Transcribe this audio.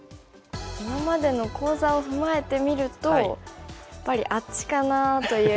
今までの講座を踏まえてみるとやっぱりあっちかなという。